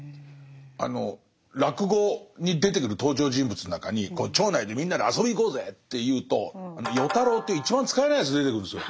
あの落語に出てくる登場人物の中に町内でみんなで遊びに行こうぜっていうと与太郎っていう一番使えないやつ出てくるんですよ。